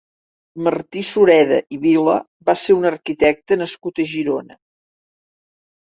Martí Sureda i Vila va ser un arquitecte nascut a Girona.